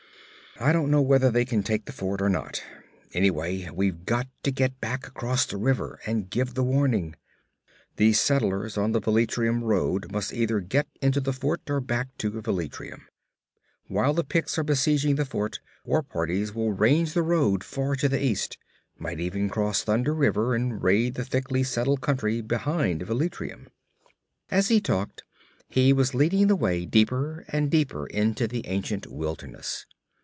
'I don't know whether they can take the fort or not. Anyway, we've got to get back across the river and give the warning. The settlers on the Velitrium road must either get into the fort or back to Velitrium. While the Picts are besieging the fort, war parties will range the road far to the east might even cross Thunder River and raid the thickly settled country behind Velitrium.' As he talked he was leading the way deeper and deeper into the ancient wilderness.